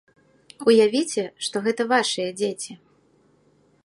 Уявіце, што гэта вашыя дзеці.